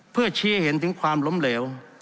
เพื่อชี้ให้เห็นถึงความล้มเหลว